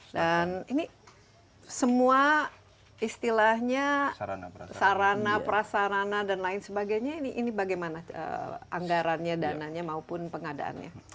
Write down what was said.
dan ini semua istilahnya sarana prasarana dan lain sebagainya ini bagaimana anggarannya dananya maupun pengadaannya